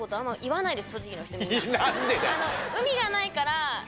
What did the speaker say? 何でだよ？